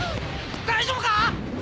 大丈夫か！